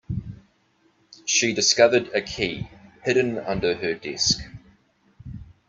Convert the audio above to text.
She discovered a key hidden under her desk.